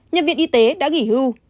nhân viên y tế đã nghỉ hưu